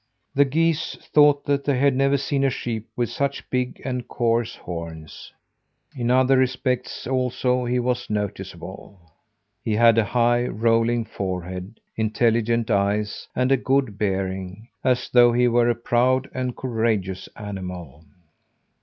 The geese thought that they had never seen a sheep with such big and coarse horns. In other respects, also, he was noticeable. He had a high, rolling forehead, intelligent eyes, and a good bearing as though he were a proud and courageous animal.